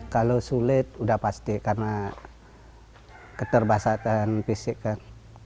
kalau sulit sudah pasti karena keterbasatan fisik kan